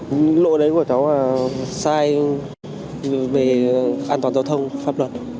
những lô đấy của cháu là sai về an toàn giao thông pháp luật